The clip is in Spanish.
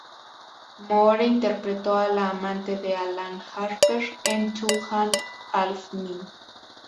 Moore interpretó a la amante de Alan Harper en "Two and a Half Men.